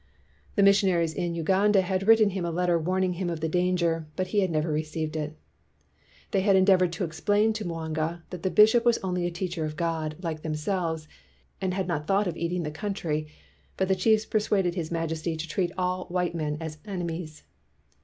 The missionaries in Uganda had written him a letter warning him of the danger, but he had never received it. They had endeavored to explain to Mwanga that the bishop was only a teacher of God, like themselves, and had not thought of eating the country, but the chiefs persuaded his majesty to treat all white men as enemies.